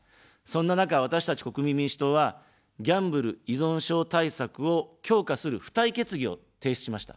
そんな中、私たち国民民主党は、ギャンブル依存症対策を強化する付帯決議を提出しました。